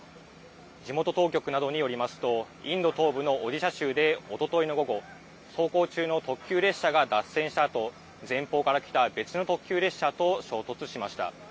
地元当局などによりますと、インド東部のオディシャ州でおとといの午後、走行中の特急列車が脱線したあと、前方から来た別の特急列車と衝突しました。